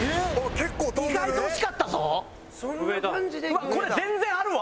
うわっこれ全然あるわ！